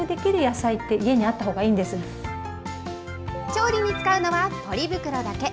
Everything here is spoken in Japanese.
調理に使うのはポリ袋だけ。